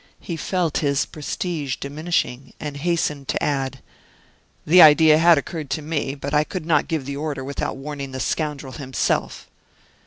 He felt his prestige diminishing, and hastened to add: "The idea had occurred to me; but I could not give the order without warning the scoundrel himself."